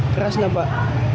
keras nggak pak